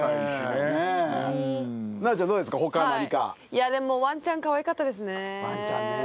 いやでもワンちゃんかわいかったですね。